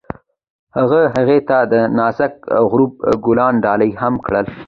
هغه هغې ته د نازک غروب ګلان ډالۍ هم کړل.